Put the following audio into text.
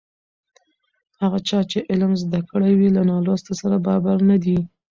هغه چا چې علم زده کړی وي له نالوستي سره برابر نه دی.